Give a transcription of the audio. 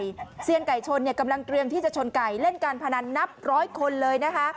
เซียนไก่ชนเนี่ยกำลังเตรียมที่จะชนไก่เล่นการพนันนับร้อยคนเลยนะคะ